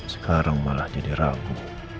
sekarang malah jadi ragu